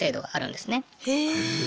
へえ。